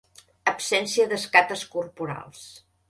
Absència d'escates corporals.